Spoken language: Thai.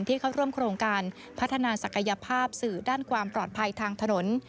เข้าร่วมโครงการพัฒนาศักยภาพสื่อด้านความปลอดภัยทางถนน